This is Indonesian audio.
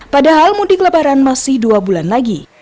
padahal mudik lebaran masih dua bulan lagi